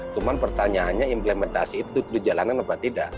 cuma pertanyaannya implementasi itu dijalankan apa tidak